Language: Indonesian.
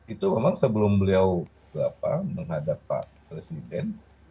itu memang sebelum beliau menghadap pak presiden